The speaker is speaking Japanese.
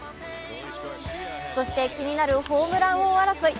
そして気になるホームラン王争い。